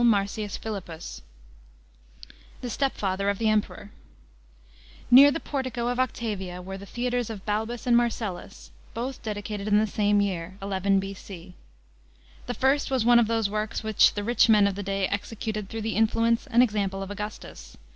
Marcins Philippus, the step father of the Em|>eror. Near the Portico of Octavia, were the Theatres of Balbus and Marcellus, both dedicated in the same year (11 B.C.). The first was one of those works which the rich men of the day executed through the influence and example of Augustus.